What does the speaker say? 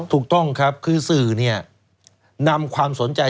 ถูกต้องครับคือสื่อเนี่ยนำความสนใจ